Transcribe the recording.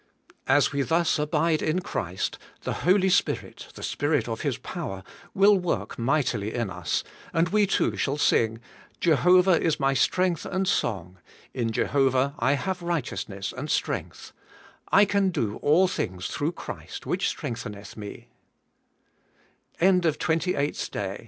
As we thus abide in Christ, the Holy Spirit, the Spirit of His power, will work mightily in us, and we too shall sing, 'Jehovah is my strength and song: IK Jehovah I have righteousness and strength,'^ 'I can do all things through Christ, whi